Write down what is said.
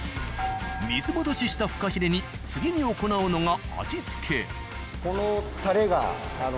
水戻ししたフカヒレに次に行うのが。